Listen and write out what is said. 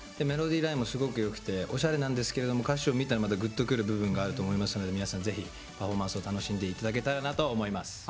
メロディーラインもすごくよくておしゃれなんですけれども歌詞を見たらまたぐっとくる部分があると思いますので皆さんぜひパフォーマンスを楽しんで頂けたらなと思います。